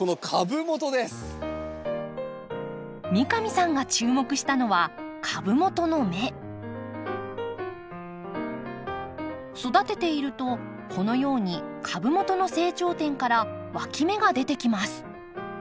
三上さんが注目したのは育てているとこのように株元の成長点からわき芽が出てきます。